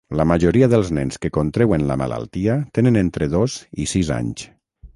La majoria dels nens que contreuen la malaltia tenen entre dos i sis anys.